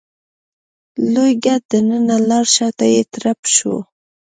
لوی ګټ دننه لاړ شاته يې ترپ شو.